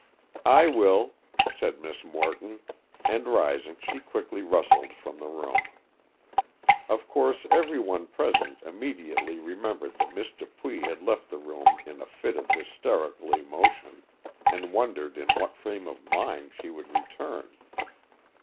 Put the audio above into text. "I will," said Miss Morton, and, rising, she quickly rustled from the room. Of course, every one present immediately remembered that Miss Dupuy had left the room in a fit of hysterical emotion, and wondered in what frame of mind she would return.